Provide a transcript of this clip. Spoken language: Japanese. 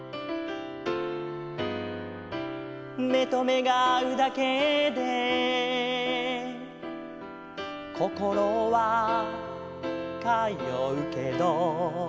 「めとめがあうだけで」「こころはかようけど」